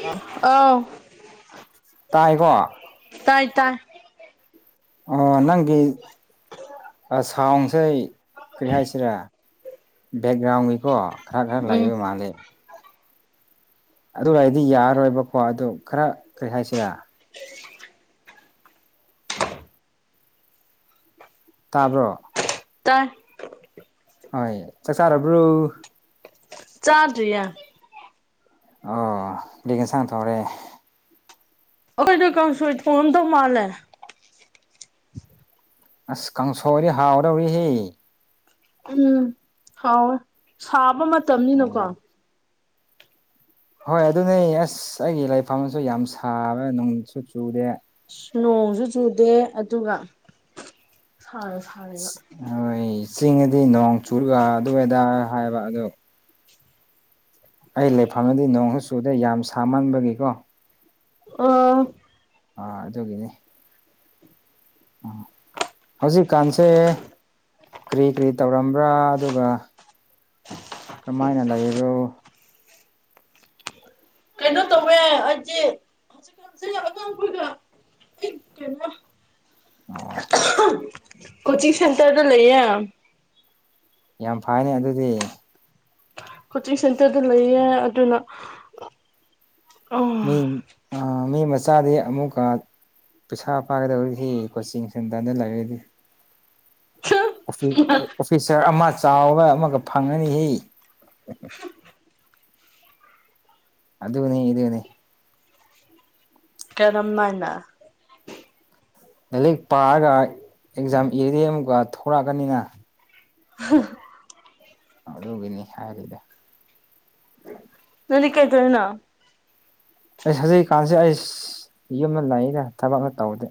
ꯇꯥ ꯑꯥꯎ ꯇꯥꯏꯀꯣ ꯇꯥꯏ ꯇꯥꯏ ꯑꯣ ꯅꯪꯒꯤ ꯑ ꯁꯥꯎꯟꯁꯦ ꯀꯔꯤ ꯍꯥꯏꯁꯤꯔꯥ ꯕꯦꯛꯒ꯭ꯔꯥꯎꯟꯒꯤ ꯀꯣ ꯈꯔ ꯈꯔ ꯎꯝ ꯂꯩꯕ ꯃꯥꯜꯂꯦ ꯑꯗꯨ ꯑꯣꯏꯔꯗꯤ ꯌꯥꯔꯣꯏꯕꯀꯣ ꯑꯗꯨ ꯈꯔ ꯀꯔꯤ ꯍꯥꯏꯁꯤꯔꯥ ꯇꯥꯕ꯭ꯔꯣ ꯇꯥꯏ ꯍꯣꯏ ꯆꯥꯛ ꯆꯥꯔꯕ꯭ꯔꯣ ꯆꯥꯗꯔ꯭ꯤꯌꯦ ꯑ ꯀꯔꯤ ꯑꯦꯟꯁꯥꯡ ꯊꯣꯡꯉꯦ ꯑꯩꯈꯣꯏꯗꯣ ꯀꯥꯡꯁꯣꯏ ꯊꯣꯡꯉꯝꯗꯧ ꯃꯥꯜꯂꯦ ꯑꯁ ꯀꯥꯡꯁꯣꯏꯗꯤ ꯍꯥꯎꯗꯣꯔꯤꯍꯦ ꯎꯝ ꯍꯥꯎꯋꯦ ꯁꯥꯕ ꯃꯇꯝꯅꯤꯅꯀꯣ ꯑꯣ ꯍꯣꯏ ꯑꯗꯨꯅꯦ ꯑꯁ ꯑꯩꯒꯤ ꯂꯩꯐꯝꯁꯨ ꯌꯥꯝ ꯁꯥꯕ ꯅꯨꯡꯁꯨ ꯆꯨꯗꯦ ꯅꯣꯡꯁꯨ ꯆꯨꯗꯦ ꯑꯗꯨꯒ ꯁꯥꯅ ꯁꯥꯔꯤꯕ ꯍꯣꯏ ꯆꯤꯡꯗꯤ ꯅꯣꯡ ꯆꯨꯔꯒ ꯑꯗꯨꯗꯥ ꯍꯥꯏꯕ ꯑꯗꯣ ꯑꯩ ꯂꯩꯐꯝꯅꯗꯤ ꯅꯣꯡꯁꯨꯨ ꯆꯨꯗꯦ ꯌꯥꯝ ꯁꯥꯃꯟꯕꯒꯤꯀꯣ ꯑꯣ ꯑꯥ ꯑꯗꯨꯒꯤꯅꯤ ꯎ ꯍꯧꯖꯤꯛꯀꯥꯟꯁꯦ ꯀꯔꯤ ꯀꯔꯤ ꯇꯧꯔꯝꯕ꯭ꯔꯥ ꯑꯗꯨꯒ ꯀꯃꯥꯏꯅ ꯂꯩꯕ꯭ꯔꯣ ꯀꯩꯅꯣ ꯇꯧꯋꯦ ꯑꯩꯗꯤ [unintelligible] [unintelligible] ꯀꯣꯆꯤꯡ ꯁꯦꯟꯇ꯭ꯔꯗ ꯂꯩꯌꯦ ꯌꯥꯝ ꯐꯩꯅꯦ ꯑꯗꯨꯗꯤ ꯀꯣꯆꯤꯡ ꯁꯦꯟꯇ꯭ꯔꯗ ꯂꯩꯌꯦ ꯑꯗꯨꯅ ꯃꯤ ꯑ ꯃꯤ ꯃꯁꯥꯗꯤ ꯑꯃꯨꯛꯀ ꯄꯩꯁꯥ ꯄꯥꯏꯒꯗꯧꯔꯤꯁꯤ ꯀꯣꯆꯤꯡ ꯁꯦꯟꯇꯔꯗ ꯂꯩꯔꯗꯤ ꯑꯣꯐꯤ ꯑꯣꯐꯤꯁꯥꯔ ꯑꯃ ꯆꯥꯎꯔ ꯑꯃꯒ ꯐꯪꯉꯅꯤꯍꯦ ꯑꯗꯨꯅꯦ ꯏꯗꯨꯅꯦ ꯀꯔꯝꯃꯥꯏꯅ ꯂꯥꯏꯔꯤꯛ ꯄꯥꯔꯒ ꯑꯦꯛꯖꯥꯝ ꯏꯔꯗꯤ ꯑꯃꯨꯛꯀ ꯊꯣꯔꯛꯑꯅꯤꯅ ꯍꯥꯡ ꯑꯗꯨꯒꯤꯅꯤ ꯍꯥꯏꯔꯤꯗꯣ ꯅꯪꯗꯤ ꯀꯩꯗꯧꯔꯤꯅꯣ ꯑꯩ ꯍꯧꯖꯤꯛ ꯀꯥꯟꯖꯦ ꯑꯩꯁ ꯌꯨꯝꯃ ꯂꯩꯏꯗ ꯊꯕꯛꯅ ꯇꯧꯗꯦ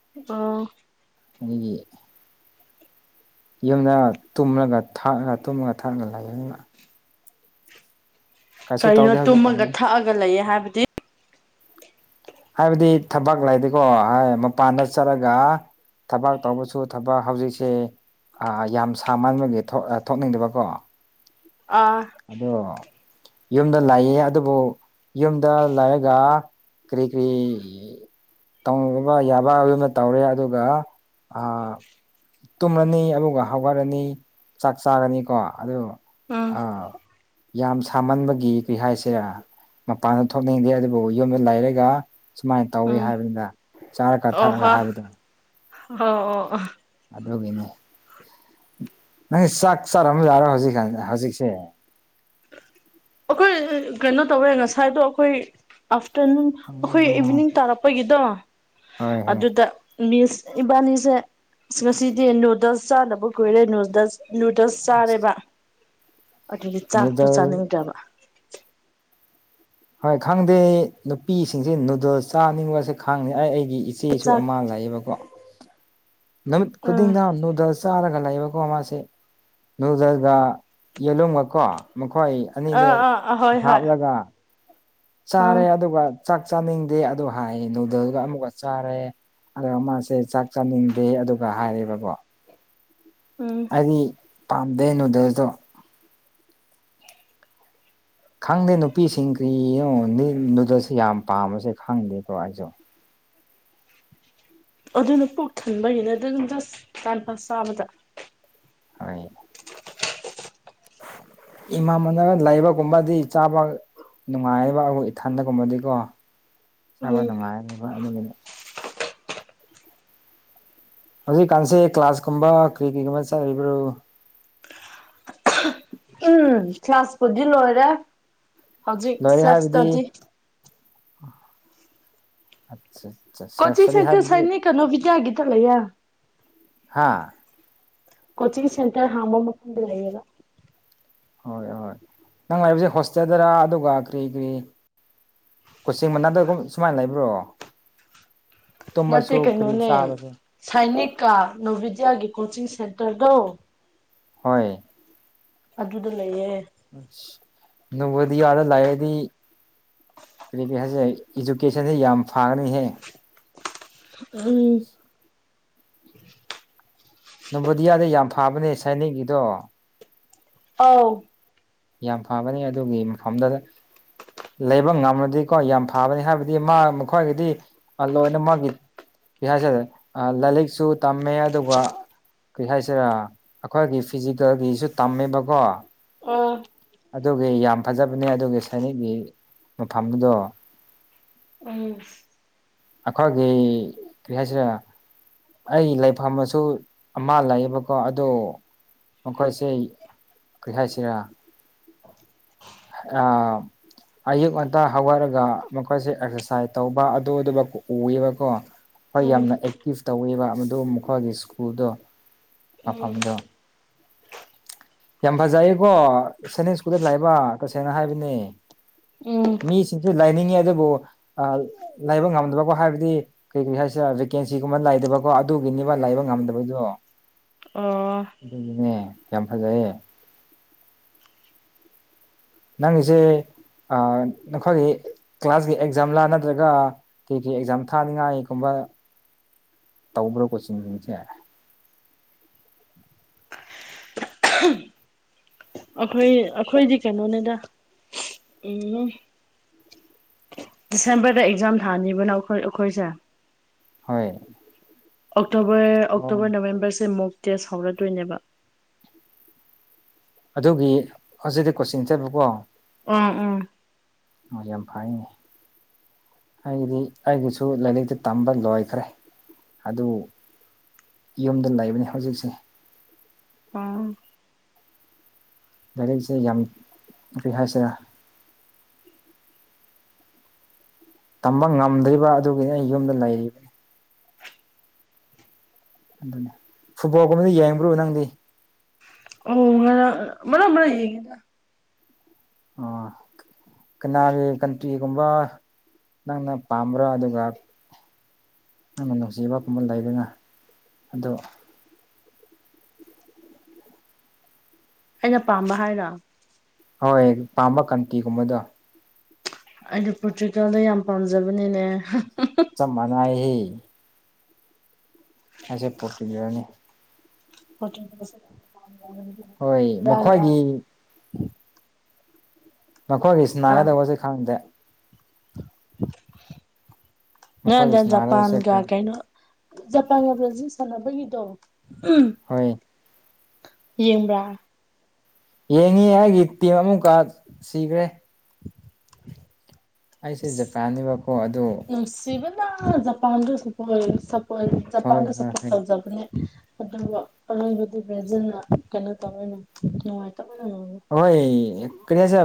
[unintelligible] [unintelligible] ꯌꯨꯝꯗ ꯇꯨꯝꯔꯒ ꯊꯥꯛꯑ ꯇꯨꯝꯃ ꯊꯥꯛꯂ ꯂꯩꯥꯕꯅꯤꯅ ꯀꯩꯁꯨ ꯀꯔꯤꯅꯣ ꯇꯧꯗꯦ ꯇꯨꯝꯃꯒ ꯍꯧꯖꯤꯛꯀꯥꯟꯗꯤ ꯊꯛꯑꯒ ꯂꯩꯌꯦ ꯍꯥꯏꯕꯗꯤ ꯍꯥꯏꯕꯗꯤ ꯊꯕꯛ ꯂꯩꯗꯦꯒꯣ ꯃꯄꯥꯟꯗ ꯆꯠꯂꯒ ꯊꯕꯥꯛ ꯇꯧꯕꯁꯨ ꯊꯕꯥꯛ ꯍꯧꯖꯤꯛꯁꯦ ꯑꯥ ꯌꯥꯝ ꯁꯥꯃꯟꯕꯒꯤ ꯊꯣ ꯑꯥ ꯊꯣꯛꯅꯤꯡꯗꯕꯀꯣ ꯑꯥ ꯑꯗꯣ ꯌꯨꯝꯗ ꯂꯩꯌꯦ ꯑꯗꯨꯕꯨ ꯌꯨꯝꯗ ꯂꯩꯔꯒ ꯀꯔꯤ ꯀꯔꯤ ꯇꯧꯕ ꯌꯥꯕ ꯑꯗꯨꯅ ꯇꯧꯔꯦ ꯑꯗꯨꯒ ꯇꯨꯝꯃꯅꯤ ꯑꯗꯨꯒ ꯍꯧꯒꯠꯂꯅꯤ ꯆꯥꯛ ꯆꯥꯔꯅꯤꯀꯣ ꯑꯗꯨ ꯎꯝ ꯑ ꯌꯥꯝ ꯁꯥꯃꯟꯕꯒꯤ ꯀꯔꯤ ꯍꯥꯏꯁꯤꯔꯥ ꯃꯄꯥꯟꯗ ꯊꯣꯛꯅꯤꯡꯗꯦ ꯑꯗꯨꯕꯨ ꯌꯨꯝꯗ ꯂꯩꯔꯒ ꯁꯨꯃꯥꯏꯅ ꯇꯧꯋꯤ ꯎꯝ ꯍꯥꯏꯕꯅꯤꯅ ꯆꯥꯔꯒ ꯊꯛꯑꯒ ꯍꯣ ꯍꯥꯏꯕꯗꯨ ꯎꯍꯣ ꯑꯣ ꯑꯣ ꯑꯗꯨꯒꯤꯅꯤ ꯅꯪ ꯆꯥꯛ ꯆꯥꯔꯝꯕ ꯌꯥꯔꯣꯏ ꯍꯧꯖꯤꯛꯀꯥꯟ ꯍꯧꯖꯤꯛꯁꯦ ꯑꯈꯣꯏ ꯀꯩꯅꯣ ꯇꯧꯋꯦ ꯉꯁꯥꯏꯗꯣ ꯑꯈꯣꯏ ꯑꯥꯐꯇꯔꯅꯨꯟ ꯑꯈꯣꯏ ꯎꯝ ꯏꯚꯤꯅꯤꯡ ꯇꯥꯔꯛꯄꯒꯤꯗꯣ ꯍꯣꯏ ꯍꯣꯏ ꯑꯗꯨꯗ ꯃꯤꯁ ꯏꯕꯥꯅꯤꯁꯦ ꯑꯁ ꯉꯁꯤꯗꯤ ꯅꯨꯗꯜꯁ ꯆꯥꯅꯕ ꯀꯨꯏꯔꯦ ꯅꯨꯗꯜꯁ ꯅꯨꯗꯜꯁ ꯆꯥꯔꯦꯕ ꯑꯗꯨꯒꯤ ꯆꯥꯛꯇꯣ ꯅꯨꯗꯜ ꯆꯥꯅꯤꯡꯗꯔ꯭ ꯕ ꯍꯣꯏ ꯈꯪꯗꯦ ꯅꯨꯄꯤꯁꯤꯡꯁꯦ ꯅꯨꯗꯜ ꯆꯥꯅꯤꯡꯕꯁꯦ ꯈꯪꯅꯤ ꯑꯩ ꯑꯩꯒꯤ ꯏ ꯆꯦꯁꯨ ꯆꯥꯛ ꯑꯃꯥ ꯂꯩꯌꯦꯕꯀꯣ ꯅꯨꯃꯤꯠ ꯎꯝ ꯈꯨꯗꯤꯡꯗ ꯅꯨꯗꯜꯁ ꯆꯥꯔꯒ ꯂꯩꯏꯕꯀꯣ ꯃꯥꯁꯦ ꯅꯨꯗꯜꯒ ꯌꯦꯂꯨꯝꯒ ꯀꯣ ꯃꯈꯣꯏ ꯑꯅꯤꯗ ꯑꯥ ꯑꯥ ꯑꯥ ꯍꯣꯏ ꯍꯣꯏ ꯍꯥꯞꯂꯒ ꯆꯥꯔꯦ ꯎꯝ ꯑꯗꯨꯒ ꯆꯥꯛ ꯆꯥꯅꯤꯡꯗꯦ ꯑꯗꯨ ꯍꯥꯏꯌꯦ ꯅꯨꯗꯜꯒ ꯑꯃꯨꯛꯒ ꯆꯥꯔꯦ ꯑꯗ ꯃꯥꯁꯦ ꯆꯥꯛ ꯆꯥꯅꯤꯡꯗꯦ ꯑꯗꯨꯒ ꯍꯥꯏꯔꯦꯕꯀꯣ ꯎꯝ ꯑꯩꯗꯤ ꯄꯥꯝꯗꯦ ꯅꯨꯗꯜꯁꯇꯣ ꯈꯪꯗꯦ ꯅꯨꯄꯤꯁꯤꯡ ꯀꯔꯤꯌꯣ ꯅꯤ ꯅꯨꯗꯜꯁꯁꯤ ꯌꯥꯝ ꯄꯥꯝꯕꯁꯦ ꯈꯪꯗꯦꯀꯣ ꯑꯩꯁꯨ ꯑꯗꯨꯅ ꯄꯨꯛ ꯊꯟꯕꯒꯤꯅꯦ ꯑꯗꯨ ꯗꯨꯝ ꯖꯁ ꯇꯥꯏꯝ ꯄꯥꯁ ꯆꯥꯕꯗ ꯍꯣꯏ ꯏꯃꯥ ꯃꯅ ꯂꯩꯕꯒꯨꯝꯕꯗꯤ ꯆꯥꯕ ꯅꯨꯉꯥꯏꯌꯦꯕ ꯑꯒꯣ ꯏꯊꯟꯗꯒꯨꯝꯕꯗꯤꯀꯣ ꯆꯥꯕ ꯎꯝ ꯅꯨꯉꯥꯏꯕ ꯑꯗꯨꯒꯤꯅꯤ ꯍꯧꯖꯤꯛꯀꯥꯟꯁꯦ ꯀ꯭ꯂꯥꯁꯀꯨꯝꯕ ꯀꯔꯤ ꯀꯔꯤꯒꯨꯝꯕ ꯆꯠꯂꯤꯕ꯭ꯔꯣ ꯎꯝ ꯀ꯭ꯂꯥꯁꯄꯨꯗꯤ ꯂꯣꯏꯔꯦ ꯍꯧꯖꯤꯛ ꯂꯣꯏꯔꯦ ꯁꯦꯜꯐ ꯍꯥꯏꯕꯗꯤ ꯏꯁꯇꯗꯤ ꯑꯠꯆꯠ ꯆꯠ ꯀꯣꯆꯤꯡ ꯁꯦꯟꯇꯔ ꯁꯥꯏꯅꯤꯛ ꯀ ꯅꯣꯕꯤꯗꯌꯥꯒꯤꯗ ꯂꯩꯔ ꯍꯥꯥ ꯀꯣꯆꯤꯡ ꯁꯦꯟꯇꯔ ꯍꯥꯡꯕ ꯃꯐꯝꯗ ꯂꯩꯌꯦꯕ ꯍꯣꯏ ꯍꯣꯏ ꯅꯪ ꯂꯩꯕꯖꯦ ꯍꯣꯁꯇꯦꯜꯗꯔ ꯑꯗꯨꯒ ꯀꯔꯤ ꯀꯔꯤ ꯀꯣꯆꯤꯡ ꯃꯅꯥꯛꯗꯒꯨꯝ ꯁꯨꯃꯥꯏ ꯂꯩꯕ꯭ꯔꯣ ꯇꯨꯝꯃꯁꯨ ꯀꯔꯤ ꯆꯥꯕꯁꯨ ꯁꯥꯏꯅꯤꯛꯀꯥ ꯅꯣꯚꯤꯗ꯭ꯌꯥꯒꯤ ꯀꯣꯆꯤꯡ ꯁꯦꯟꯇꯔꯗꯣ ꯍꯣꯏ ꯑꯗꯨꯗ ꯂꯩꯌꯦ ꯑꯁ ꯅꯣꯚꯣꯗꯤꯌꯥꯗ ꯂꯥꯏꯔꯗꯤ ꯀꯔꯤꯒꯤ ꯍꯥꯏꯁꯤꯔ ꯏꯖꯨꯀꯦꯁꯟꯗ ꯌꯥꯝ ꯐꯥꯔꯅꯤꯍꯦ ꯎꯝ ꯅꯣꯚꯣꯗꯤꯌꯥꯗ ꯌꯥꯝ ꯐꯥꯕꯅꯦ ꯁꯥꯏꯅꯤꯛꯒꯤꯗꯣ ꯑꯧ ꯌꯥꯝ ꯐꯕꯅꯦ ꯑꯗꯨꯒꯤ ꯃꯐꯝꯗꯨꯗ ꯂꯩꯕ ꯉꯝꯂꯗꯤꯀꯣ ꯌꯥꯝ ꯐꯕꯅꯤ ꯍꯥꯏꯕꯗꯤ ꯃꯥ ꯃꯈꯣꯏꯒꯤꯗꯤ ꯑ ꯂꯣꯏꯅ ꯃꯥꯒꯤ ꯀ꯭ꯔꯤ ꯍꯥꯏꯁꯤꯔ ꯑ ꯂꯥꯏꯂꯤꯛꯁꯨ ꯇꯝꯃꯦ ꯑꯗꯨꯒ ꯀꯩ ꯍꯥꯏꯁꯤꯔꯥ ꯑꯈꯣꯏꯒꯤ ꯐꯤꯖꯤꯀꯦꯜꯒꯤꯁꯨ ꯇꯝꯃꯦꯕꯀꯣ ꯎꯝ ꯑꯗꯨꯒꯤ ꯌꯥꯝ ꯐꯖꯕꯅꯦ ꯑꯗꯨꯒꯤ ꯁꯥꯏꯅꯤꯛꯒꯤ ꯃꯐꯝꯗꯣ ꯎꯝ ꯑꯈꯣꯏꯒꯤ ꯀ꯭ꯔꯤ ꯍꯥꯏꯁꯤꯔ ꯑꯩ ꯂꯩꯐꯝꯃꯁꯨ ꯑꯃ ꯂꯩꯌꯦꯕꯀꯣ ꯑꯗꯣ ꯃꯈꯣꯏꯁꯦ ꯀꯩ ꯍꯥꯏꯁꯤꯔꯥ ꯑꯥ ꯑꯌꯨꯛ ꯉꯟꯇ ꯍꯧꯒꯠꯂꯒ ꯃꯈꯣꯏꯁꯦ ꯑꯦꯛꯁꯔꯁꯥꯏ ꯇꯧꯕ ꯑꯗꯨ ꯑꯗꯨꯃꯛ ꯎꯋꯦꯕꯀꯣ ꯑꯣꯏ ꯎꯝ ꯌꯥꯝꯅ ꯑꯦꯛꯇꯤꯞ ꯇꯧꯋꯦꯕ ꯃꯗꯨ ꯃꯈꯣꯏꯒꯤ ꯁ꯭ꯀꯨꯜꯗꯣ ꯎꯝ ꯃꯐꯝꯗꯣ ꯌꯥꯝ ꯐꯖꯩꯌꯦꯀꯣ ꯁꯥꯏꯅꯤꯛ ꯁ꯭ꯀꯨꯜꯗ ꯂꯥꯏꯕ ꯇꯁꯦꯡꯅ ꯍꯥꯏꯕꯅꯦ ꯎꯝ ꯃꯤꯁꯤꯡꯁꯨ ꯂꯩꯅꯤꯡꯉꯤ ꯑꯗꯨꯕꯨ ꯑ ꯂꯩꯕ ꯉꯝꯗꯕꯀꯣ ꯍꯥꯏꯕꯗꯤ ꯀꯩ ꯀꯩ ꯍꯥꯏꯁꯤꯔꯥ ꯚꯦꯀꯦꯟꯁꯤꯒꯨꯝꯕ ꯂꯩꯇꯕꯀꯣ ꯑꯗꯨꯒꯤꯅꯤꯕ ꯂꯩꯕ ꯉꯝꯗꯕꯗꯣ ꯑꯣ ꯑꯗꯨꯒꯤꯅꯦ ꯌꯥꯝ ꯐꯖꯩꯌꯦ ꯅꯪꯖꯦ ꯑ ꯅꯈꯣꯏꯒꯤ ꯀ꯭ꯂꯥꯁꯀꯤ ꯑꯦꯛꯖꯥꯝꯂꯥ ꯅꯠꯇ꯭ꯔꯒ ꯀꯩ ꯀꯩ ꯑꯦꯛꯖꯥꯝ ꯊꯥꯅꯤꯡꯉꯥꯏꯒꯨꯝꯕ ꯇꯧꯕ꯭ꯔꯥ ꯀꯣꯆꯤꯡꯁꯤꯡꯁꯦ ꯑꯈꯣꯏ ꯑꯈꯣꯏꯗꯤ ꯀꯩꯅꯣꯅꯤꯗ ꯎꯝ ꯗꯤꯁꯦꯝꯕꯔꯗ ꯑꯦꯛꯖꯥꯝ ꯊꯥꯅꯤꯕ ꯅꯥꯎ ꯑꯈꯣꯏ ꯑꯈꯣꯏꯁꯦ ꯍꯣꯏ ꯑꯣꯛꯇꯣꯕꯔ ꯑꯣ ꯑꯣꯛꯇꯣꯕꯔ ꯅꯕꯦꯝꯕꯔꯁꯦ ꯃꯣꯛ ꯇꯦꯁ ꯍꯧꯔꯗꯣꯏꯅꯦꯕ ꯑꯗꯨꯒꯤ ꯍꯧꯖꯤꯛꯇꯤ ꯀꯣꯆꯤꯡ ꯆꯠꯄꯀꯣ ꯑꯝ ꯎꯝ ꯑꯣ ꯌꯥꯝ ꯐꯥꯏꯌꯦꯅꯦ ꯑꯩꯒꯤꯗꯤ ꯑꯩꯒꯤꯁꯨ ꯂꯥꯏꯔꯤꯛꯇꯤ ꯇꯝꯕ ꯂꯣꯏꯈ꯭ꯔꯦ ꯑꯗꯨ ꯌꯨꯝꯗ ꯂꯩꯕꯅꯤ ꯍꯧꯖꯤꯛꯁꯦ ꯎꯝ ꯂꯥꯏꯔꯤꯛꯁꯦ ꯌꯥꯝ ꯀ꯭ꯔꯤ ꯍꯥꯏꯁꯤꯔ ꯇꯝꯕ ꯉꯝꯗ꯭ꯔꯤꯕ ꯑꯗꯨꯒꯤ ꯑꯩ ꯌꯨꯝꯗ ꯂꯩꯔꯤ ꯑꯗꯨꯅꯦ ꯐꯨꯠꯕꯣꯜꯒꯨꯝꯕꯗ ꯌꯦꯡꯕ꯭ꯔꯣ ꯅꯪꯗꯤ ꯎꯝ ꯉꯔꯥꯡ ꯃꯔꯛ ꯃꯔꯛ ꯌꯦꯡꯒꯤꯗ ꯑꯣ ꯀꯅꯥꯒꯤ ꯀꯟ ꯇꯤꯒꯨꯝꯕ ꯅꯪꯅ ꯄꯥꯝꯕ꯭ꯔꯥ ꯑꯗꯨꯒ ꯅꯪꯅ ꯅꯨꯡꯁꯤꯕꯒꯨꯝꯕ ꯂꯩꯗꯅ ꯑꯗꯨ ꯑꯩꯅ ꯄꯥꯝꯕ ꯍꯥꯏꯔꯣ ꯍꯣꯏ ꯄꯥꯝꯕ ꯀꯟꯇꯤꯒꯨꯝꯕꯗꯣ ꯑꯩꯗꯤ ꯄꯣꯔꯇꯨꯀꯦꯜꯗꯨ ꯌꯥꯝ ꯄꯥꯝꯖꯕꯅꯤꯅꯦ ꯆꯞ ꯃꯅꯩꯌꯦ ꯑꯁꯨ ꯄꯣꯇꯨꯒꯜꯅꯤ ꯍꯣ [unintelligible] ꯍꯣꯏ ꯃꯈꯣꯏꯒꯤ ꯃꯈꯣꯏꯒꯤ ꯑ ꯁꯤꯅꯥꯒꯗꯧꯕꯁ‌ꯦ ꯈꯪꯗꯦ ꯃ‌ꯦꯠ ꯃꯈꯣꯏꯒꯤ ꯏꯟ ꯁꯅꯥꯒꯗꯧꯕꯁꯦ ꯖꯄꯥꯟꯒ ꯀꯩꯅꫭ ꯖꯄꯥꯟꯒꯥ ꯕ꯭ꯔꯥꯖꯤꯟ ꯁꯥꯟꯅꯕꯒꯤꯗꯣ ꯎꯝ ꯍꯣꯏ ꯌꯦꯡꯕ꯭ꯔꯥ ꯌꯦꯡꯉꯤ ꯑꯩꯒꯤ ꯇꯤꯝ ꯑꯃꯨꯛꯀ ꯁꯤꯈ꯭ꯔꯦ [inaudible] ꯑꯩꯁꯦ ꯖꯄꯥꯟꯅꯦꯕꯀꯣ ꯑꯗꯣ ꯅꯨꯡꯁꯤꯕꯅ ꯖꯄꯥꯟꯗꯨ ꯁꯄꫭꯔꯠ ꯍꯣꯏ ꯖꯄꯥꯟꯗ ꯍꯣꯏ ꯁꯄꯣꯔꯠ ꯍꯣꯏ ꯇꯧꯖꯕꯅꯦ ꯑꯗꯨꯒ ꯑꯔꫭꯏꯕꯗꯤ ꯕ꯭ꯔꯥꯖꯤꯜꯅ ꯀꯩꯅꯣ ꯇꯧꯋꯅ ꯅꯨꯡꯉꯥꯏꯇꯕꯅꯥ ꯂꫭꯏꯔꫭ ꯍꯣꯏ ꯀꯔꯤ ꯍꯥꯏꯁꯤ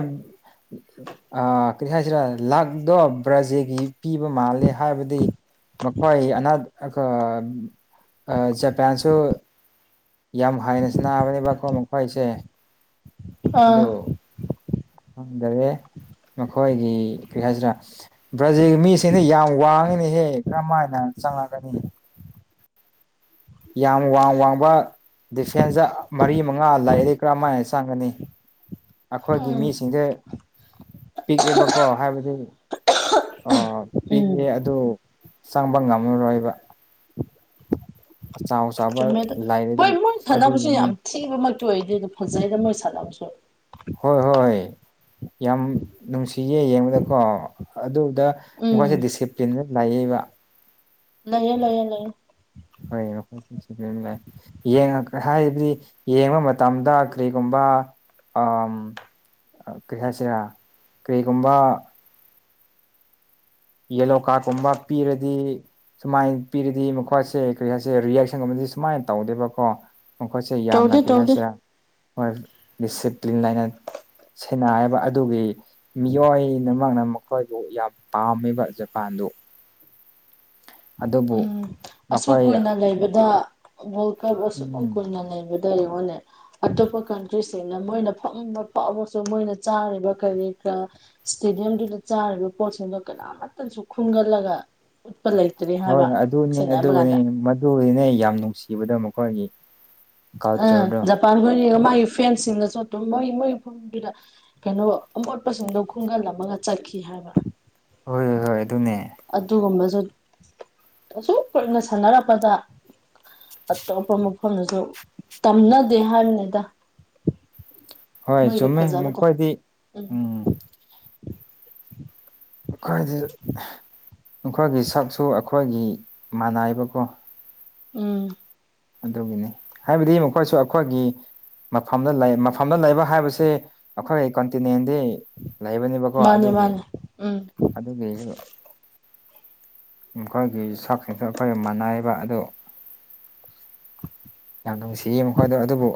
ꯑꯥ ꯀꯔꯤ ꯍꯥꯏꯁꯤꯔꯥ ꯂꯥꯛꯗꯣ ꯕ꯭ꯔꯥꯖꯤꯜꯒꯤ ꯄꯤꯕ ꯃꯥꯂꯦ ꯍꯥꯏꯕꯗꯤ ꯃꯈꯣꯏ ꯑꯅꯥ [unintelligible] ꯑꯥ ꯖꯄꯥꯟꯁꯨꯣ ꯌꯥꯝ ꯍꯥꯏꯅ ꯁꯥꯅꯥꯕꯅꯦꯕꯀꯣ ꯃꯈꯣꯏꯁ‌ꯦ ꯑꯗꯨ ꯑꯥ ꯈꯪꯗꯔꯦ ꯃꯈꯣꯏꯒꯤ ꯀꯔꯤ ꯍꯥꯏꯁꯤꯔꯥ ꯕ꯭ꯔꯥꯖꯤꯜ ꯃꯤꯁꯤꯡꯗꯤ ꯌꯥꯝ ꯋꯥꯡꯉꯤꯅꯤꯍꯦ ꯀꯔꯝ ꯍꯥꯏꯅ ꯆꯪꯉꯛꯒꯅꯤ ꯌꯥꯝ ꯋꯥꯡ ꯋꯥꯡꯕ ꯗꯤꯐꯦꯟꯁꯇꯥ ꯃꯔꯤ ꯃꯉꯥ ꯂꯩꯔꯗꯤ ꯀꯔꯝꯥꯏꯅ ꯆꯪꯒꯅꯤ ꯑꯩꯈꯣꯏꯒꯤ ꯎꯝ ꯃꯤꯁꯤꯡꯗꯤ ꯄꯤꯛꯑꯦꯕꯀꯣ ꯍꯥꯏꯕꯗꯤ ꯑꯥ ꯄꯤꯛꯑꯦ ꯎꯝ ꯑꯗꯨ ꯆꯪꯕ ꯉꯝꯃꯔꯣꯏꯕ ꯑꯆꯥꯎ ꯑꯆꯥꯎꯕ ꯆꯨꯝꯃꯦ ꯑꯗꯣ ꯃꯣꯏ ꯂꯥꯏꯔꯗꯤ ꯃꯣꯏ ꯁꯥꯟꯅꯕꯁꯨ ꯑꯗꯨꯒꯤꯅꯤ ꯌꯥꯝ ꯊꯤꯕꯃꯛꯇꯤ ꯑꯣꯏꯗꯦ ꯑꯗꯨꯝ ꯐꯖꯩꯗ ꯃꯣꯏ ꯁꯥꯟꯅꯕꯁꯨ ꯍꯣꯏ ꯍꯣꯏ ꯌꯥꯝ ꯅꯨꯡꯁꯤꯌꯦ ꯌꯦꯡꯕꯗꯀꯣ ꯑꯗꯨꯒ ꯎꯝ ꯃꯈꯣꯏꯁꯦ ꯗꯤꯁꯤꯄ꯭ꯂꯤꯟꯗ ꯂꯩꯌ‌ꯦꯕ ꯂꯩꯌꯦ ꯂꯩꯌꯦ ꯂꯩꯌꯦ ꯍꯣꯏ [unintelligible] ꯌꯦꯡꯉꯛ ꯍꯥꯏꯕꯗꯤ ꯌꯦꯡꯕ ꯃꯇꯝꯗ ꯀꯔꯤꯒꯨꯝꯕ ꯑꯝ ꯀꯔꯤ ꯍꯥꯏꯁꯤꯔꯥ ꯀꯔꯤꯒꯨꯝꯕ ꯌꯦꯂꯣꯀꯥꯠ ꯀꯨꯝꯕ ꯄꯤꯔꯗꯤ ꯁꯨꯃꯥꯏꯅ ꯄꯤꯔꯗꯤ ꯃꯈꯣꯏꯁꯦ ꯀꯔꯤ ꯍꯥꯏꯁꯦ ꯔꯤꯌꯦꯁꯟꯒꯨꯝꯕꯗꯤ ꯁꯨꯃꯥꯏꯅ ꯇꯧꯗꯦꯕꯀꯣ ꯃꯈꯣꯏꯁꯦ ꯌꯥꯝꯅ ꯇꯧꯗꯦ ꯀꯩ ꯇꯧꯗꯦ ꯍꯥꯏꯁꯤꯔꯦ ꯃꯣꯏ ꯗꯤꯁꯤꯄ꯭ꯂꯤꯟ ꯂꯩꯅꯥ ꯁꯦꯅꯥ ꯍꯥꯏꯕ ꯑꯗꯨꯒꯤ ꯃꯤꯑꯣꯏꯅꯃꯛꯅ ꯃꯈꯣꯏꯕꯨ ꯌꯥꯝ ꯄꯥꯝꯃꯦꯕ ꯆꯥ ꯖꯄꯥꯟꯗꯣ ꯎꯝ ꯑꯁꯨꯛ ꯃꯈꯣꯏ ꯀꯨꯏꯅ ꯂꯩꯕꯗ ꯋꯥꯜꯀꯞ ꯑꯁꯨꯛ ꯎꯝ ꯀꯨꯏꯅ ꯂꯩꯕꯗ ꯗꯩꯅꯦ [unintelligible] ꯑꯇꯣꯞꯄ ꯀꯟꯇ꯭ꯔꯤꯁꯤꯡꯅ ꯃꯣꯏꯅ ꯐꯪꯕ ꯐꯥꯎꯕꯁꯨ ꯃꯣꯏꯅ ꯆꯥꯔꯤꯕ ꯀꯔꯤ ꯀꯔꯥ ꯏꯁꯇꯦꯗꯤꯌꯝꯗꯨꯗ ꯆꯥꯔꯤꯕ ꯄꯣꯠꯁꯤꯡꯗꯣ ꯀꯅꯥꯃꯇꯁꯨ ꯈꯨꯝꯒꯠꯂꯒ ꯎꯠꯄ ꯂꯩꯇ꯭ꯔꯤ ꯍꯥꯏꯕ ꯍꯣꯏ ꯑꯗꯨꯅꯦ ꯁꯦꯡꯅ ꯍꯥꯏꯕ ꯑꯗꯨꯒꯅꯦ ꯀꯥꯟꯗ ꯃꯗꯨꯒꯤꯅꯦ ꯌꯥꯝ ꯅꯨꯡꯁꯤꯕꯗꯣ ꯃꯈꯣꯏꯒꯤ ꯑꯥ ꯀꯜꯆꯔꯗꯣ ꯖꯄꯥꯟ ꯍꯣꯏꯒ ꯃꯥꯒꯤ ꯐ꯭ꯔꯦꯟꯁꯁꯤꯡꯒꯁꯨ ꯑꯗꯨꯝ ꯃꯣꯏꯒꯤ ꯃꯣꯏꯒꯤ ꯃꯗꯨꯗ [unintelligible] ꯀꯩꯅꯣ ꯑꯃꯣꯠꯄꯁꯤꯡꯗꯣ ꯈꯨꯡꯒꯠ ꯂꯝꯃꯒ ꯆꯠꯈꯤ ꯍꯥꯏꯕ ꯍꯣꯏ ꯍꯣꯏ ꯑꯗꯨꯅꯦ ꯑꯗꯨꯒꯨꯝꯕꯁꯨ ꯑꯁꯨꯛ ꯀꯨꯏꯅ ꯁꯥꯟꯅꯔꯛꯄꯗ ꯑꯇꯣꯞꯄ ꯃꯐꯝꯗꯁꯨ ꯇꯝꯅꯗꯦ ꯍꯥꯏꯝꯅꯤꯗ ꯍꯣꯏ ꯆꯨꯝꯃꯦ ꯐꯖꯕꯗꯣ ꯃꯈꯣꯏꯗꯤ ꯎꯝ ꯑꯈꯣꯏꯗꯤ ꯑꯈꯣꯏꯒꯤ ꯁꯛꯁꯨ ꯑꯈꯣꯏꯒꯤ ꯃꯥꯟꯅꯥꯏꯕꯀꯣ ꯎꯝ ꯑꯗꯨꯒꯤꯅꯤ ꯍꯥꯏꯕꯗꯤ ꯃꯈꯣꯏꯁꯨ ꯑꯈꯣꯏꯒꯤ ꯃꯐꯝꯗ ꯂꯩ ꯃꯐꯝꯗ ꯂꯩꯕ ꯍꯥꯏꯕꯁꯤ ꯑꯈꯣꯏ ꯀꯟꯇꯤꯅꯦꯟꯗꯤ ꯂꯩꯕꯅꯦꯕꯀꯣ ꯃꯥꯅꯦ ꯑꯗꯨꯒꯤ ꯃꯥꯅꯦ ꯎꯝ ꯑꯗꯨꯒꯤ ꯃꯈꯣꯏꯒꯤ ꯁꯥꯛꯁꯤꯡꯁꯨ ꯑꯈꯣꯏꯒ ꯃꯥꯟꯅꯥꯏꯕ ꯑꯗꯨ ꯌꯥꯝ ꯅꯨꯡꯁꯤꯌꯦ ꯃꯈꯣꯏꯗꯣ ꯑꯗꯨꯕꯨ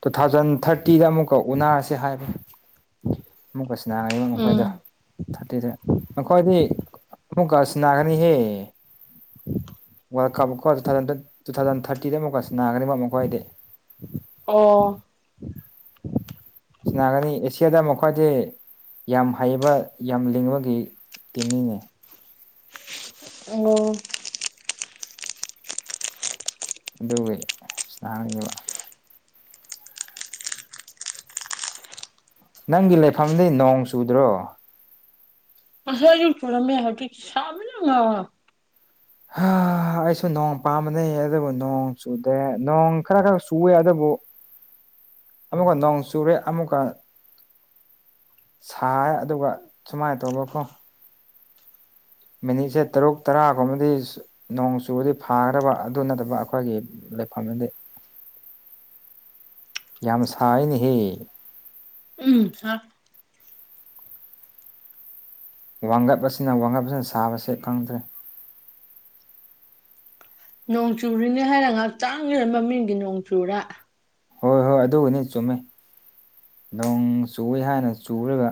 ꯇꯨ ꯊꯥꯎꯖꯟ ꯊꯥꯔꯇꯤꯗ ꯑꯃꯨꯛꯀ ꯎꯅꯔꯁꯦ ꯍꯥꯏꯕ ꯑꯃꯨꯛꯀ ꯁꯥꯟꯅ [unintelligible] ꯎꯝ ꯃꯈꯣꯏꯗ ꯊꯥꯔꯇꯤꯗ ꯑꯈ‌ꯣꯏꯗꯤ ꯑꯃꯨꯛꯀ ꯁꯥꯟꯅꯒꯅꯤꯍꯦ ꯋꯥꯔꯜ ꯀꯞꯀ‌ꯣ ꯇꯨꯊꯥꯎꯖꯟ ꯇꯨꯊꯥꯎꯖꯟ ꯊꯥꯔꯇꯤꯗ ꯑꯃꯨꯛꯀ ꯁꯥꯟꯅꯒꯅꯤꯕ ꯃꯈꯣꯏꯗꯤ ꯑꯣ ꯁꯥꯟꯅꯒꯅꯤ ꯑꯦꯁꯤꯌꯥꯗ ꯃꯈꯣꯏꯗꯤ ꯌꯥꯝ ꯍꯩꯕ ꯌꯥꯝ ꯂꯤꯡꯕꯒꯤ ꯇꯤꯝꯅꯤꯅꯦ ꯑꯣ ꯑꯗꯨꯒꯤ ꯁꯥꯟꯅꯒꯅꯤꯕ ꯅꯪꯒꯤ ꯂꯩꯐꯝꯗꯤ ꯅꯣꯡ ꯆꯨꯗ꯭ꯔꯣ ꯉꯁꯥꯏꯗꯤ ꯆꯨꯔꯝꯃꯦ ꯍꯧꯖꯤꯛ ꯁꯥꯕꯅ ꯉꯥꯎꯔꯦ ꯍꯥ ꯑꯩꯁꯨ ꯅꯣꯡ ꯄꯥꯝꯕꯅꯦ ꯑꯗꯨꯕꯨ ꯅꯣꯡ ꯆꯨꯗꯦ ꯅꯣꯡ ꯈꯔ ꯈꯔ ꯆꯨꯋꯦ ꯑꯗꯨꯕꯨ ꯑꯃꯨꯛꯀ ꯅꯣꯡ ꯆꯨꯨꯔꯦ ꯑꯃꯨꯛꯀ ꯁꯥꯏꯌ‌ꯦ ꯑꯗꯨꯒ ꯁꯨꯃꯥꯏꯅ ꯇꯧꯕ ꯀꯣ ꯃꯤꯅꯤꯠꯁꯦ ꯇꯔꯨꯛ ꯇꯔꯥꯒꯨꯝꯕꯗꯤ ꯅꯣꯡ ꯆꯨꯔꯗꯤ ꯐꯥꯒꯗꯕ ꯑꯗꯨ ꯅꯠꯇꯕ ꯑꯈꯣꯏꯒꯤ ꯂꯩꯐꯝꯗꯗꯤ ꯌꯥꯝ ꯁꯥꯏꯅ‌ꯦꯍꯦ ꯎꯝ ꯁꯥꯏ ꯋꯥꯡꯒꯞꯄꯁꯤꯅ ꯋꯥꯡꯒꯞꯄꯁꯤꯅ ꯁꯥꯕꯁꯦ ꯈꯪꯗ꯭ꯔꯦ ꯅꯣꯡ ꯆꯨꯔꯤꯅꯦ ꯍꯥꯏꯔ ꯉꯥꯏꯇꯪꯒꯤ ꯃꯃꯤꯡꯒꯤ ꯅꯣꯡꯆꯨꯔꯦ ꯍꯣꯏ ꯍꯣꯏ ꯑꯗꯨꯒꯅꯤ ꯆꯨꯝꯃꯦ ꯅꯣꯡ ꯆꯨꯏꯋꯦ ꯍꯥꯏꯅ ꯆꯨꯔꯒ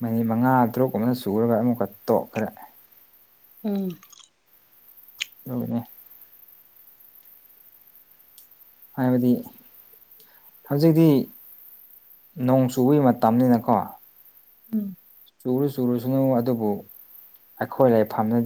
ꯃꯤꯅꯤꯠ ꯃꯉꯥ ꯇꯔꯨꯛꯀꯨꯝꯕꯅ ꯆꯨꯔꯒ ꯑꯃꯨꯛꯀ ꯇꯣꯛꯈ꯭ꯔꯦ ꯎꯝ ꯗꯨꯒꯤꯅꯦ ꯍꯥꯏꯕꯗꯤ ꯍꯧꯖꯤꯛꯇꯤ ꯅꯣꯡ ꯆꯨꯕꯒꯤ ꯃꯇꯝꯅꯤꯅꯀꯣ ꯎꯝ ꯆꯨꯔꯨ ꯆꯨꯔꯨꯁꯅꯨ ꯑꯗꯨꯕꯨ ꯑꯩꯈꯣꯏ ꯂꯩꯐꯝꯅ